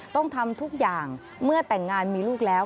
ต้องทำทุกอย่างเมื่อแต่งงานมีลูกแล้ว